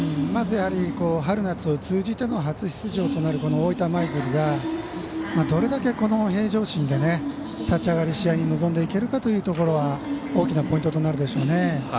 まず、春夏通じての初出場となる大分舞鶴が、どれだけ平常心で立ち上がりの試合に臨んでいけるかというところは大きなポイントとなるでしょうね。